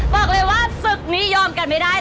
บอกเลยว่าศึกนี้ยอมกันไม่ได้